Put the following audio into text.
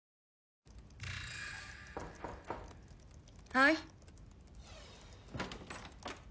はい。